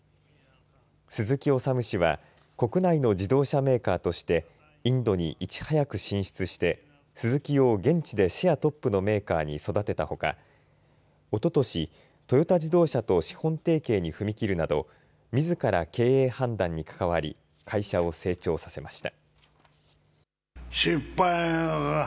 鈴木修氏は国内の自動車メーカーとしてインドに、いち早く進出してスズキを現地でシェアトップのメーカーに育てたほかおととし、トヨタ自動車と資本提携に踏み切るなどみずから経営判断にかかわり会社を成長させました。